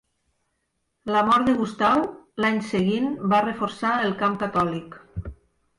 La mort de Gustau, l'any seguint va reforçar el camp catòlic.